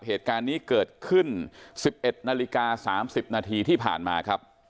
เหตุการณ์นี้เกิดขึ้น๑๑นาฬิกา๓๐นาทีที่ผ่านมาครับ